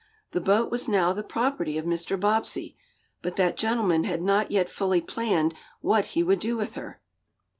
The boat was now the property of Mr. Bobbsey, but that gentleman had not yet fully planned what he would do with her.